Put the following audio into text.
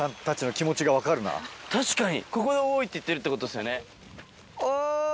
確かに。